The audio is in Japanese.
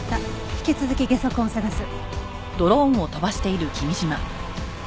引き続きゲソ痕を捜す。